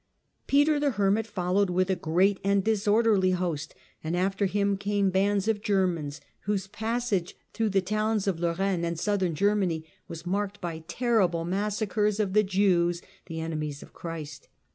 Peter the Hermit followed with a great and disorderly host, and after him came bands of Germans whose passage through the towns of Lorraine and southern Germany was marked by terrible massacres of the Jews, the enemies of Christ.